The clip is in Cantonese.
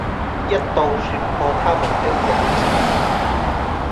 一到説破他們的隱情，